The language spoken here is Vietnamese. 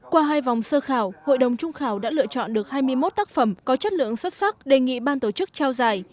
qua hai vòng sơ khảo hội đồng trung khảo đã lựa chọn được hai mươi một tác phẩm có chất lượng xuất sắc đề nghị ban tổ chức trao giải